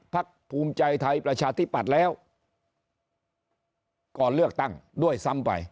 ภูมิใจไทยประชาธิปัตย์แล้วก่อนเลือกตั้งด้วยซ้ำไป